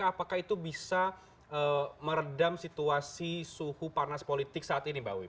apakah itu bisa meredam situasi suhu panas politik saat ini mbak wiwi